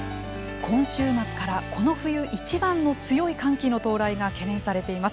今週末からこの冬一番の強い寒気の到来が懸念されています。